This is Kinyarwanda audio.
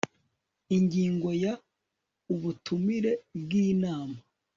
Ingingo ya Ubutumire bw inama